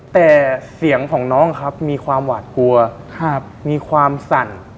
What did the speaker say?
แต่เสียงของน้องครับมีความหวาดกลัวมีความสั่น